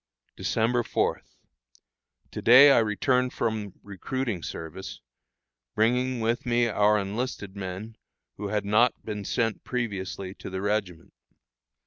December 4. To day I returned from recruiting service, bringing with me our enlisted men who had not been sent previously to the regiment.